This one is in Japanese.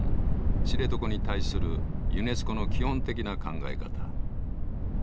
知床に対するユネスコの基本的な考え方。